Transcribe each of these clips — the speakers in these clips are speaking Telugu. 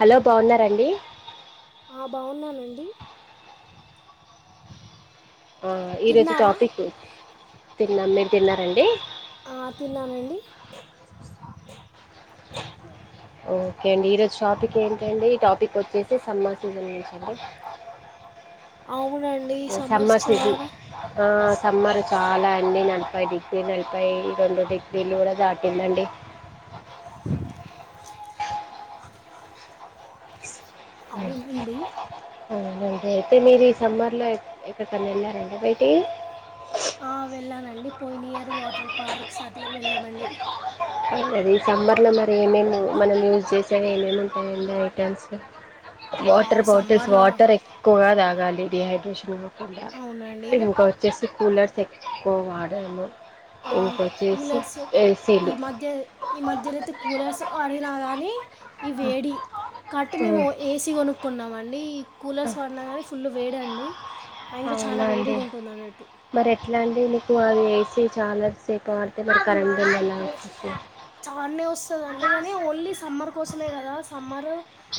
హలో బాగున్నండి ఆ బాగున్నానండి ఈరోజు తిన్నారా టాపిక్ తిన్నా మీరు తిన్నారండి ఆ తిన్నానండి ఓకే అండి ఈరోజు టాపిక్ ఏంటండి ఈ టాపిక్ వచ్చేసి సమ్మర్ సీజన్ నుంచండి అవు చెమ్మసిటి ఆ సమ్మర్ చాలా అండి నలభై డిగ్రీ నలభై రెండు డిగ్రీలు కూడా దాటిందండి అవునండి రైతే మీరు ఈ సమ్మర్లో ఎక్కడికైనా వెళ్ళారండి బయటి ఆ, ఒకసారిలో వెళ్ళామండి అది సమ్మర్లో మరి ఏమేమి మనం యూజ్ చేసేవి ఏమేమి ఉంటాయండి ఐటమ్స్ ఆ వాటర్ బాటిల్స్ సమ్మర్లో వాటర్ ఎక్కువగా తాగాలి డీహైడ్రేషన్ అవునండి ఇది ఇంకా వచ్చేసి కూలర్స్ ఎక్కువ వాడము ఆ, ఇంకొచ్చేసి కూలర్స్ ఈ ఏసీలు మధ్య ఈ మధ్యయితే కూలర్స్ ఆడిగినా కానీ ఈ వేడి కాట్టి మేము ఉమ్. ఏసీ కొనుక్కున్నామ అండి ఈ కూలర్స్ వన్నా కానీ ఫుల్ వేడండి అవునా అండి మరి ఎట్లా అండి మీకు అది ఎసీ చాల సేపు ఆడితే మరి కరెంట్ బిల్ ఎలా వచ్చేసి చానే వస్తుందండి కాని ఓన్లీ సమ్మర్ కోసమే కదా సమ్మర్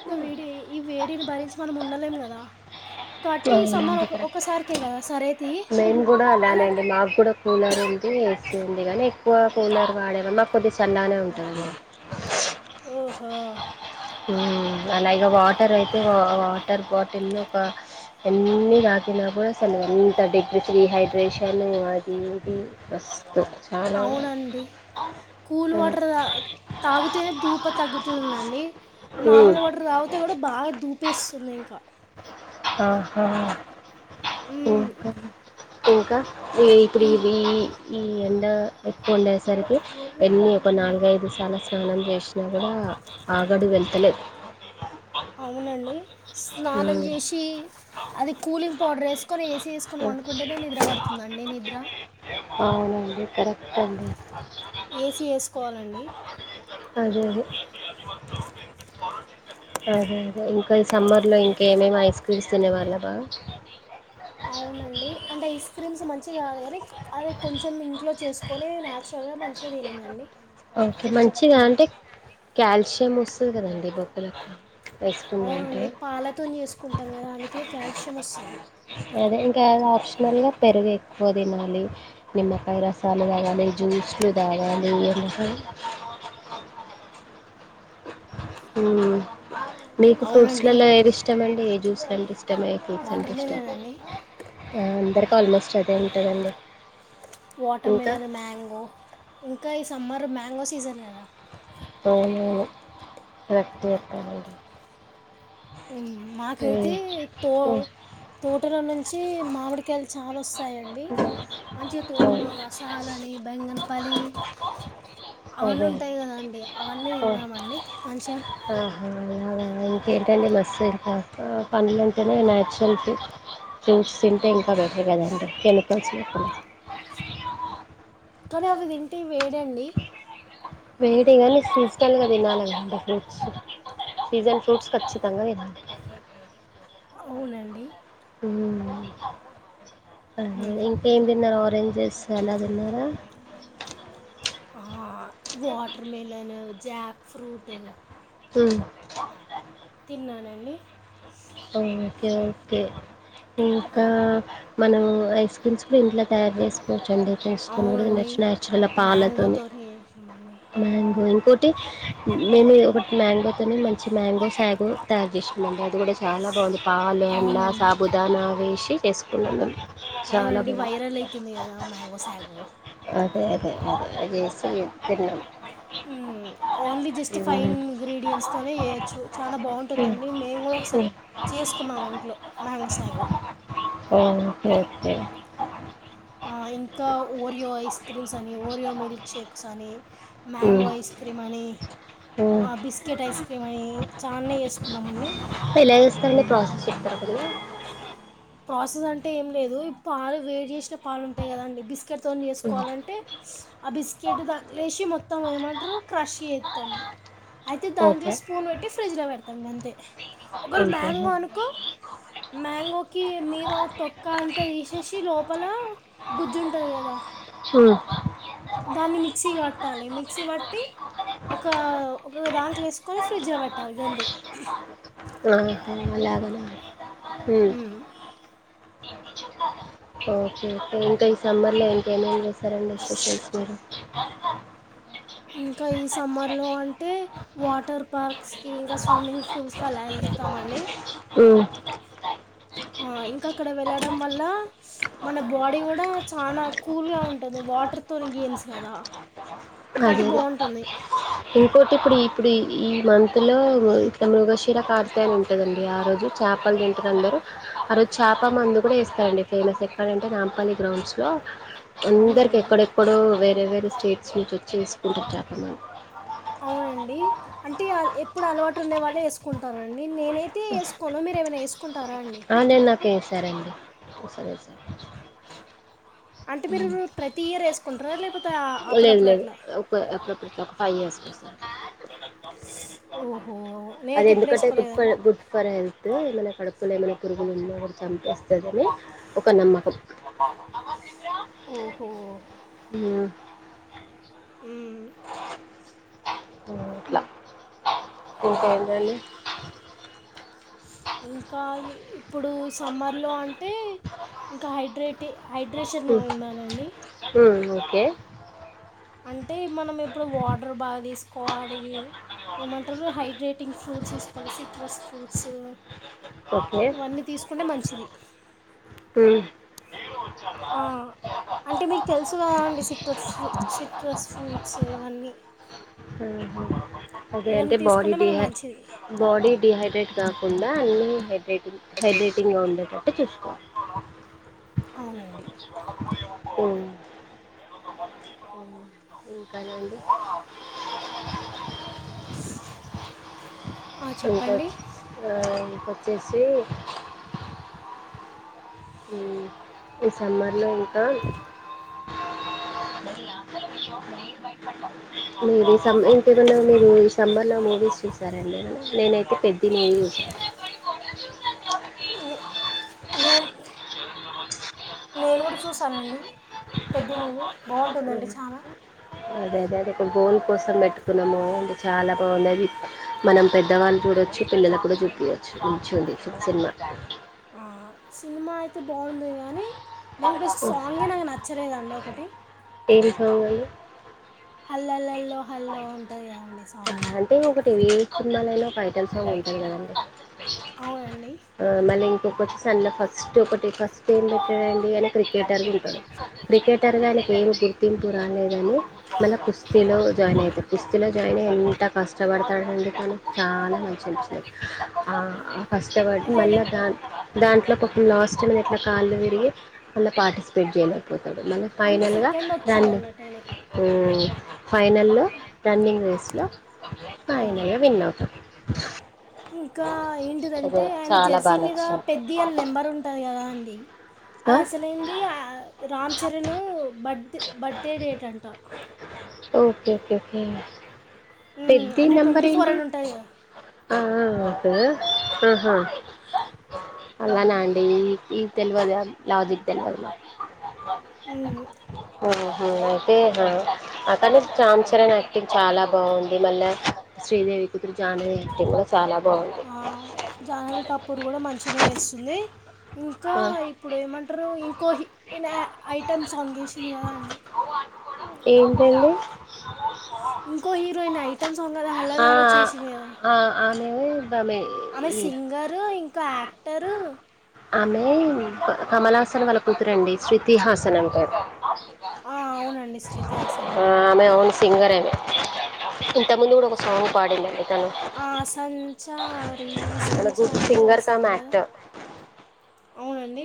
ఇంక వేడి ఈ వేడిని భరించి మనం ఉండలేం కదా కాబట్టి ఈ సమ్మర్ అవునండి ఒక కరక్టే ఒకసారికే కదా సరే తీ మేన్ కూడా అని అలానండి మాకు కూడా కూలర్ ఉం ఏసీ ఉంది కానీ ఎక్కువ కూలర్ వాడేమ మా కొద్ది చల్లనే ఉంటుంది ఓహో ఊ అలా ఇగ వాటర్ అయితే వాటర్ బాటిల్ ఒక ఎన్ని దాకిన డపుడసలు ఎంత డీగ్ర డీహైడ్రేషన్ అది టీబి మస్తు ఛానల్ అవునండి కూల్ వాటర్ తాగితేనే ధూప తగ్గుతుందండి హ్మ్ నార్మల్ వాటర్ తాగితే కూడా బాగా దూపేస్తుంది ఇంకా ఆహా ఏం మ్మ్. కర్రీ ఇంకా ఈ ఇప్పుడు ఇది ఈ ఎండ ఎక్కువ ఉండేసరికి ఎన్నీ ఎకున్నా నాలుగైదు తల స్నానం చేసినా కూడా ఆగడి వెళ్తలేద్ అవునండి స్నానం చేసి చ్చి అది కూలింగ్ పౌడర్ వేసుకొని ఏసీ వేసుకొని పనుకుంటేనే నిద్ర పడుతుందండి నిద్ర అవునండి కరెక్ట్ అండి ఏసీ ఎసుకోవాలండి అదే అదే అదే ఇగ ఇంకా సమ్మర్ లో ఇంకేమేమ్ ఐస్ పిలుస్తుండే వాలా బావ అవునండి అంటే ఐస్ క్రీమ్స్ మంచిగా కాదు కానీ అది కొంచెం ఇంట్లో చేసుకొని న్యాచురల్గా మంచిగా తినేదండి మంచిద అంటే కాయాల్షియం వస్తుంది కదండి బొక్కలక్క అవునండి పాలతోని చేేసుకుంటాం కదా అందుకే కాయాల్షియం వస్తది ఇగ అది ఆప్షనల్ గా పెరుగు ఎక్కువ తినాలి నిమ్మకాయ రసాలు తాగాలి జ్యూస్లు తాగాలి ఎమాహ ఊ మీకు అవునండి. ఫ్రూట్స్లలో ఏది ఇష్టం అండి ఏ జ్యూస్లు అంటే ఇష్టం ఏ ఫ్రూట్స్ అంటే వాటర్ ఇష్టం మిలన్ అండి. ఆ అందరికిీ ఆల్మోస్ట్ అదే ఉంటదండి వాటర్మిలన్ మ్యాంగో ఇంకా ఈ సమ్మర్ మ్యాంగో సీజన్ కదా అవునవును కరెక్ట్ చేపినవ్ నువు ఊ మాకైతే తో తోటలో నుంచి మామిడికాయలు చాలా వస్ వస్తాయండి మంచిగా మ్మ్. తోటలో అవును. రసాలని బెంగనపలి అవన్నీ అదే ఉంటాయి కదండి అవన్నీ ఓ తిన్నామండి మంచిగా ఆహా ఇంకేంటండి మస్త పండ్లటేనే నాచురల్కి ఫ్రూట్స్ తింటే ఇంకా బటర్ కదండి కెమికల్స్ లేకుండ కానీ అవి తింటే వేడండి వేడేకానీ సేసనల్గా తినాలి కదండీ ఫ్రూట్స్ సీజన్ ఫ్రూట్స్ ఖచ్చితంగా తినాలి అవునండి ఊ అదే ఇంకేం తిన్నరు ఆరెంజెస్ చాలా తిన్నార ఆ వాటార్మేలను జాగ్ ఫ్రూటు అ తిన్నానండి ఆ ఓకే ఓకే ఇంకా మనం ఐస్ క్రీమ్స్ కూడా ఇంట్లో తయారు చేసుకోవచ్చు రెండు చేసుకునేడిది అవునండి నచురల్ పాలతోనే మ్యాంగోతో చేసినామండి మ్యాంగోలు ఒకటి మేము ఒకటి మ్యాంగోతోనే మంచి మ్యాంగో సాగు తయారు చేస్తుకున్నాండి అది కూడా చాలా బాగుంది పాలు అండ్ల అవునండి సాబుదానా వేసి చేసుకున్నాము అవునండి వైరల్ అయతుంది కదా మ్యాంగో సాగు అదే అదే అదే చేసి తిన్నాం ఓన్లీ జస్ట్ ఫైన్ ఇంగ్రీడియంట్స్ తోనే చేయచ్చు చాలా బాగుంటందండి మేము కూడా ఒకసారి చేసుకున్నాం ఇంట్లో మ్యాంగో సాగు [unintelligible] ఇంకా ఓరియో ఐస్ క్రీమ్స్ అని ఓరియో మిల్క్ షేక్స్ అని మ్యాంగో ఐస్ క్రీమ్ అని ఉ బిస్కెట్ ఐస్ క్రీమ్ అనీ చానే చేసుకున్నామండి ఎలా చేస్తారండి ప్రాసెస్ చెప్తారు కొంచెం ప్రాసెస్ అంటే ఏం లేదు ఈ పాలు వేడి చేసిన పాలుంటాయి కదండి బిస్కెట్ తోని చేసుకోవాలంటే ఆ బిస్కెట్ దాంట్లో వేసి మొత్తం ఏమంటారు క్రష్ చెత్తం అయితే దాంట్లో ఓకే స్పూన్ పెట్టి ఫ్రిడ్జ్ లో పెడతాం గంతే ఒకవేళ ఓకే మ్యాంగో అనుకో మ్యాంగోకి మీద తొక్క అంతా తీసేసి లోపల గుజ్జు ఉంటది కదా హు దాన్ని మిక్సీ కట్టాలి మిక్సీ పట్టి ఒక ఒక దాంట్లో వేసుకొని ప్రీజ్ లో పెట్టాలి గంతే ఆహా ఆలాగానా ఉ ఓహో ఓకే ఇంకా ఈ సమ్మర్లో ఇంకేమేమి చేసెసరండి స్పెషల్స్ మీరు ఇంకా ఈ సమ్మర్ లో అంటే వాటర్ పార్క్స్ కి ఇంకా స్విమ్మింగ్ పూల్స్ కి అలా వె తామండి ఉ ఇంకా అక్కడ వెళ్ళడం వల్ల మన బాడీ కూడా చాలా కూల్గా ఉంటది వాటర్ తోని గేమ్స్ కదా అదే కాబట్టి అదే బాగుంటుంది ఇంకోటి ఇప్పుడు ఇప్పుడు ఈ మంత్ లో ఇట్లా మృగశిర కార్తే అని ఉంటదండి ఆ రోజు చ చేపలు తింటారు అందరూ ఆ రోజు చాప మందు కూడా వేస్తారండి ఫేమస్ ఎక్కడంటే నాంపల్లి గ్రౌండ్స్లో అందరికి అవునండి ఎక్కడెక్కడో వేరే వేరే స్టేట్స్ నుంచి వచ్చి వేసుకుంటరు చాపలు అవునండి అంటే ఎప్పుడు అలవాటు ఉండే వాళ్ళే వేసుకుంటారు అండి నేనైతే వేసుకోను మీరు ఏమైనా వేసుకో ఆ నాకి వేసారండి సరే సరే అంటే హు మీరు ప్రతి ఇయర్ వేసుకుంటారా లేకపోతే ఆ- లేదు అప్పుడప్పుడు లేదు అట్లా ఒక [unintelligible] ఒక ఫైవ్ ఇయర్స్ ఓహో అది నేనైతే ఎప్పుడు ఎందుకంటే గుడ్ ఫర్ వేసుకోలేదండి గుడ్ ఫర్ హెల్త్ ఏమైనా కడుపులు ఏమై పురుగులున్న కూడా చంపేస్తుంది అని ఒక నమ్మకం ఓహో ఊ ఉ ట్లా ఇంకా ఏంటండీ ఇంకా ఇప్పుడు సమ్మర్లో అంటే ఇంకా హైడ్రేటి హైడ్రేషన్గా మ్మ్ ఉండాలండి మ్మ్ ఓకే అంటే మనం ఇప్పుడు వాటర్ బాగా తీసుకోవాలి ఏమంటారు హైడ్రెటింగ్ ఫ్రూట్స్ తీసుకోవాలి సిట్రాస్ ఫ్రూట్స్ ఓకే ఇవన్నీ తీసుకుంటే మంచిది ఉ అంటే మీకు తెలుసు కదా అండి సిట్రస్ ఫ సిట్రస్ ఫ్రూట్స్ ఇవన్నీ ఉహు అదే ఇవన్నీ అంటే బాడీ తీసుకుంటే మనకు డిహై మంచిది బాడీ డిహైడ్రేట్ కాకుండా అన్నీ హైడ్రేట్ హైడ్రేటింగ్గా ఉండేటట్టు చూసుక్కో అవునండి ఉ మ ఇంక చెప్పండి ఆ వచ్చేసి ఈ సమ్మర్లో ఇంక [unintelligible] మీరు సమ్ ఇంంతేదన్నా మీరు ఈ సమ్మర్లో మూవీస్ చూసారండి నేనైతే పెద్ది మూవీ చూశాను నేను నేను కూడ చూసానండి పెద్ధి మూవీ బాగుంటుందండి చాల అదేదె అదె ఇక్కడ గోల్ కోసం పెట్టుకున్నాము అే చాలా బాగుంది అది మనం పెద్దవాళ్ళు చూడ వచ్చి పిల్లలకు కూడా చూపియచ్చు మంచిగుంది హిట్ సినిమా అ సినిమా అయితే బాగుంది కానీ దాంట్లో సాంగే నాకు నచ్చలేదండి ఒకటి ఏం సాంగ్ అండి హల్లల్లో హల్లో ఉంటది కదండి సాంగ్ అంటే ఒక టీవీ సినిమాలోయినా ఒక ఐటల్స్ సాంగ్ ఉంటాయ్ కదండి అవునండి ఆ మళ్ళీ ఒక్కచ్ సన్న ఫస్ట్ ఒకటి ఫస్ట్ ఏం పెట్టాడంండి కానీ క్రికెటర్ అనుకుంటారు క్రికెటర్ కానీ ఏమ్ చెకింగ్ కి రాలేదని మళ్ళా కుస్తీలో జాయిన్ అయితారు కుస్తీలో అయినా ఎంత కష్టపడతాడండి మనకు చాలా నచించాారు ఆ ఫస్ట్ అవార్డ్ అయితే మళ్ళా ఆయనకి దా దాంట్లో ఒక లాస్ట్ మినిట్లో కాళ్ళు విరిగి మళ్ళ పార్టిసిపేట్ చేయలేకపోతుంది మళ్ళ అంటే ఫైనల్గా సెకండ్ వచ్చింది రన్నింగ్ అన్నట్టు ఆయనకి ఫైనల్లో రన్నింగ్ ఆ, ఫైనల్గ విన్నవుతాం ఇంకా ఏంటిదంటే ఆయన జెర్సీ బాగా మీద నచ్చింది పెది అన్న నెంబర్ ఉంటది కదా అండి అది అసలైంది రామ్ చరణ్ బత్ బర్త్డే డేట్ అంట ఓకె ఓకె ఓకే ఉమ్, పెద్ది అంటే ట్వంటీ ఫోర్ నెంబరేంటి అని ఉంటుంది కదా ఆ ఆ ఆహ ఆ, అలాన అండి ఈ ఈ తెలువదె లాజిక్ తెలివద ఉమ్, కు ఊహు అయితే అక్కనే రామ్ చరణ్ యాక్టింగ్ చాలా బాగుంది మళ్ళ శ్రీదేవి కుతురు జాన వ్యక్తి కూడా చాలా బాగుంది జానవ కపూర్ కూడ మంచిినె చేస్తుంది ఇంకా ఆ ఇప్పుడు ఏమంట్రు ఇంకో హిన్ ఐటెమ్ సాంగ్ వేసింది కదా అండి ఏమిటండి ఇంకో హీరోయిన్ ఐటమ్ సాంగ్ కదా ఆ హల్లలలో చేసింది గదా ఆ ఆమె ఆమె ఆమె ఈ సింగరు ఇంక యాక్టరు ఆమె కమల్హాసన్ వాళ్ళ కూతురండి శృతిహాసన్ అంటారు ఆ అవునండి శృతిహసన్ సింగరేండి ఇంత ముందు కూడ ఒక సాంగ్ పాడిందండి తను సంచారి అలా గుర్ సంచారి అదే సింగర్క సాంగ్ కదా మాట్ అవునండి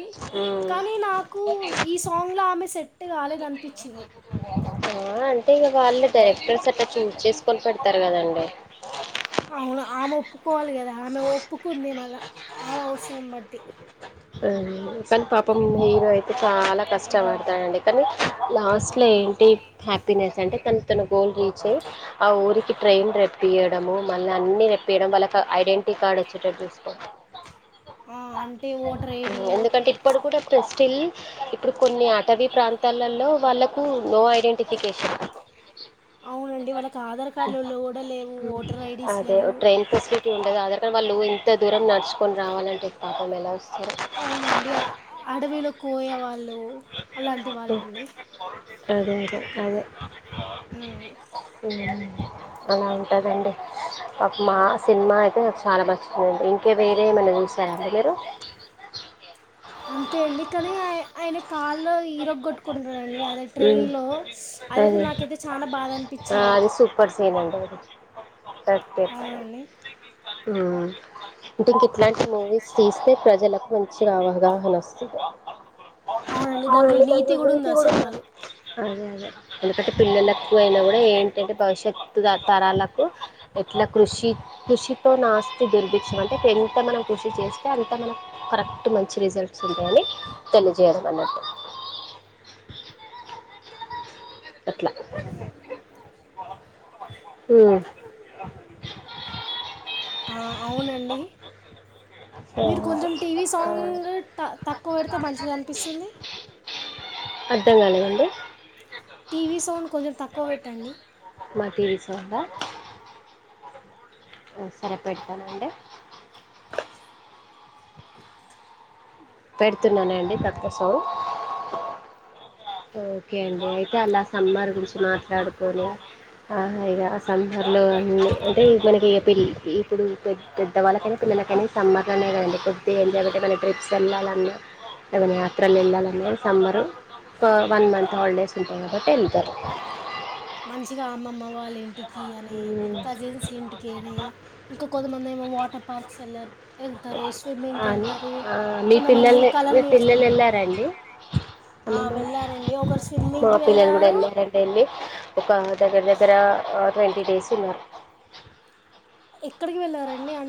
కానీ నాకు ఈ సాంగ్లో ఆమె సెట్ కాలేదని అనిపిచ్చింది ఆ అంటే ఇక వాళ్ళు డైరెక్టర్స్ అట్టా చూజ్ చేసుకొని పెడతారు కదండి అవును ఆమె ఒప్పుకోవాలి కదా ఆమె ఒప్పుకుంది మళ్ళ ఆమె అవసరం బట్టి కానీ పాపం హీరో అయితే చాల కష్టపడతాడంండి కానీ లాస్ట్లో అవును ఏంటి హ్యాపీనెస్ అంటే తన న గోల్ రీచ్ అయ్యి ఆ ఊరికి ట్రైన్ రెప్పియడము మళ్ళీ అన్ని తేప్పియడం వాళ్ళకి ఐడెంటి టి కార్డ్ వచ్చేటట్టుచూసు ఆ అ ఎందుకంటే ఇప్పుడు కూడా స్టిల్ ఇప్పుడు కొన్ని అటవీ ప్రాంతాలలో వాళ్ళకు నో ఐ డెంటిఫికేషన్ అవునండి వాళ్ళకి ఆధార్ కార్డులు కూడా లేవు ఓటర్ ఐడీస్ అదే లేవు ట్రెయిన్ ఫెసిలిటి ఉండ అద ఇక్కడ వాళ్ళు ఇంత దూరం నడుచుకుని రావాలంటే పాపం ఎలా వస్తారు అవునండి అడవిలో కోయవాళ్ళు అలాంటి వాళ్ళండి అదే అదే ఉమ్. అదే అలా ఉంటదండి పాపం ఆ సినిమా అయితే నాకు చాలా నాచ్చిందడి ఇంకే వేరే ఏమైనా చూసారడి మీరు కే అంతే అండి కానీ ఆయన కాళ్ల్లో హీరోగ కొట్టుకుంటుడండి అద ఉమ్, ట్రైన్ లో అదైతే అదే నాకైతే చాలా బాధ ఆ అనిపించింది అది సూపర్ సీన్ అండి అవునండి హ్మ్ అంటే ఇంక ఇట్లాంటి మూవీస్ తీస్తే ప్రజలకు మంచిగా అవగాహన వస్తుంది అవునండి దాంట్లో నీతి వు వెళీతి ఉంది ఆ కూడా సినిమాలో అదే అదే ఎందుకంటే పిల్లలకు అయినా కూడా ఏంటంటే భవిష్యత్తు తరాలకు ఎట్లా కృషి కృషి ఎంతో నాస్తి దెరిపించం అంటే ఎంత మనం కృషి చేస్తే అంత మనం కరెక్ట్ మంచి రిజల్ట్స్ ఉంటాయండి తెలియ జేయడం అట్లా అ అవునండి మీరు కొంచెం టీవీ సాంగ్ తక్కువ పెడితే మంచిగా అనిపిస్తుంది అర్థం కాలేదండి టీవీ సౌండ్ కొంచెం తక్కువ పెట్టండి [unintelligible] సరే పెడతానండి పెడుతున్నానండి తక్కొ సౌండ్ ఓకే అండి అయితే అలా సమ్మార్ గురించి మాట్లాడుకొని ఆ ఇ సమ్మర్ లో అంటే మనకి ఇప్పుడు పె పెద్దవాళ్ళకు దునకని సమ్మర్లోనే కదండి కొద్దిగా ఎంజాయ్ ఏమన ట్రిప్స్ వెళ్ళాలన్నా లేమైనా యాత్రలు వెళ్ళాలన్నా సమ్మరు వన్ మంత్ హాలిడేస్ ఉంటయి కాబట్టి వెళ్తారు మంచిగా అమ్మమ్మ వాళ్ళుంటి ఇంటికి అని హ్మ్. కజిన్స్ ఇంటికి అని ఇంకా కొంతమంది ఏమో వాటర్ పార్క్స్ వెళ్ళారు ళ్తారు స్విమ్మింగ్కి అని వెళ్తారు ఆ! మీ కొంతమంది పిల్లల్ని కళలు మీ పిల్లలు నేర్చుకుంటారు ఎళ్లారా అండి? సమ్మర్‌లో వెళ్ళారండి ఒకరు మా స్విమ్మింగ్కి పిల్లలు గూడా వెళ్ళారు ఎళ్లారండి. ఎళ్ళి ఒక దగ్గర దగ్గర ట్వంటీ డేస్ ఉన్నారు ఎక్కడికి వెళ్ళారండి అంటే